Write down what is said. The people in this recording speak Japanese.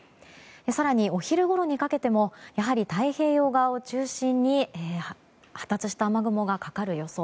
更に、お昼ごろにかけてもやはり太平洋側を中心に発達した雨雲がかかる予想。